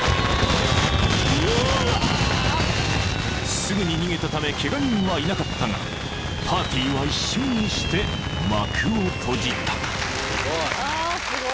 ［すぐに逃げたためケガ人はいなかったがパーティーは一瞬にして幕を閉じた］